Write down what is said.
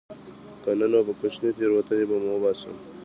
که نه نو په کوچنۍ تېروتنې به مو وباسم